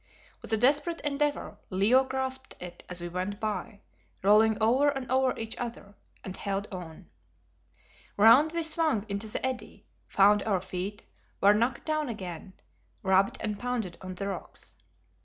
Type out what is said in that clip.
With a desperate endeavour, Leo grasped it as we went by, rolling over and over each other, and held on. Round we swung into the eddy, found our feet, were knocked down again, rubbed and pounded on the rocks.